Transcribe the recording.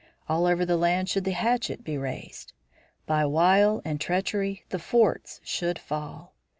All over the land should the hatchet be raised. By wile and treachery the forts should fall.